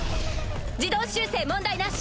自動修正問題なし。